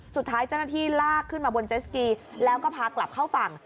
สุดท้ายเจ้าหน้าที่ลากขึ้นมาบนเจสกีแล้วก็พากลับเข้าฝั่ง